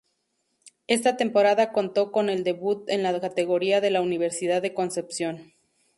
Esta temporada contó con el debut en la categoría de la Universidad de Concepción.